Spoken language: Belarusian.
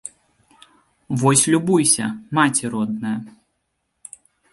Вось любуйся, маці родная!